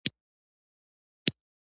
مکوه په چا چې وبه شي په تا.